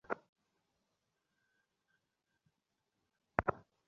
তুমি আমাকে বলোনি তোমার গার্লফ্রেন্ড আছে।